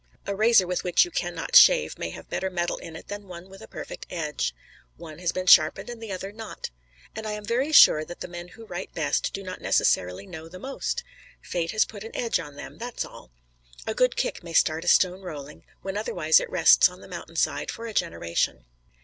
A razor with which you can not shave may have better metal in it than one with a perfect edge. One has been sharpened and the other not. And I am very sure that the men who write best do not necessarily know the most; Fate has put an edge on them that's all. A good kick may start a stone rolling, when otherwise it rests on the mountain side for a generation.